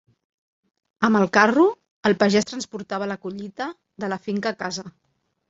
Amb el carro, el pagès transportava la collita de la finca a casa.